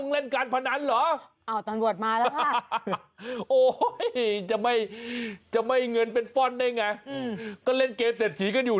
เรียกได้ว่าเกมนี้